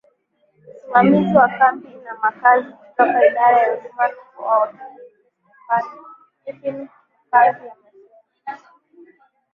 Usimamizi wa Kambi na Makazi kutoka Idara ya Huduma kwa Wakimbizi Stephen Msangi amesema